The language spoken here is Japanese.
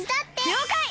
りょうかい！